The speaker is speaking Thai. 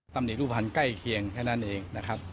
ตำหนิรูปภัณฑ์ใกล้เคียงแค่นั้นเองนะครับ